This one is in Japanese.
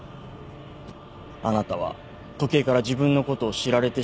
あなたは時計から自分のことを知られてしまうと焦った。